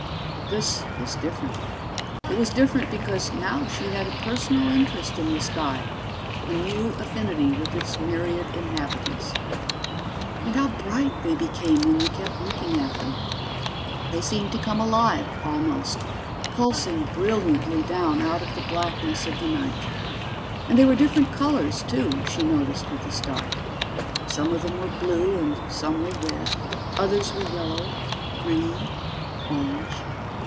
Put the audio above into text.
But this was different. It was different because now she had a personal interest in the sky, a new affinity with its myriad inhabitants. And how bright they became when you kept looking at them! They seemed to come alive, almost, pulsing brilliantly down out of the blackness of the night ... And they were different colors, too, she noticed with a start. Some of them were blue and some were red, others were yellow ... green ... orange